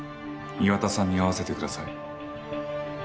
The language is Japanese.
岩田さんに会わせてください。